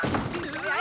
うわ！